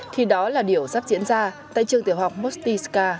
thì đó là điều sắp diễn ra tại trường tiểu học mosty ska